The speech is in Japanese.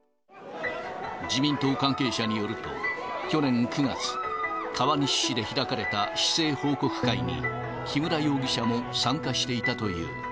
自民党関係者によると、去年９月、川西市で開かれた市政報告会に、木村容疑者も参加していたという。